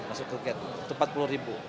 masuk ke gate itu empat puluh